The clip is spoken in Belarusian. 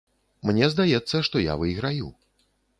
Мне здаецца, што я выйграю.